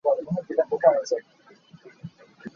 Minung ah hin a ruh a hnip khunmi an um an ti.